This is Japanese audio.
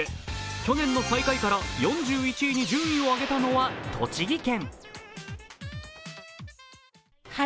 去年の最下位から４１位に順位を上げたのは栃木県。